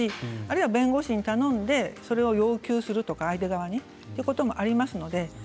弁護士に頼んでそれを要求するというか相手側にということもあります。